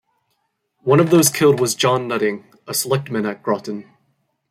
One of those killed was John Nutting, a Selectman at Groton.